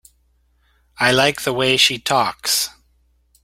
I like the way she talks.